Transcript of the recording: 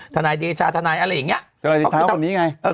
ธนายเดชาธนายอะไรอย่างเงี้ย